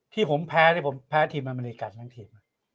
ที่ผมแพ้ผมแพ้ทีมอเมริกันทั้งทีม